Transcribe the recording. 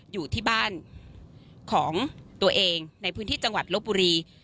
อยู่ที่บ้านของตัวเองในพื้นที่จังหวัดลบบุรี